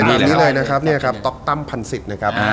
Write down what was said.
ซึ่งตามนี้เลยนะครับนี่นะครับต๊อกตั้มพันสิบนะครับ